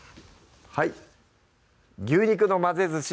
はい「牛肉の混ぜずし」